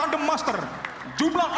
dari seluruh negara